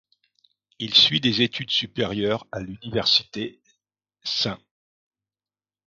Il suit des études supérieures à l'Université St.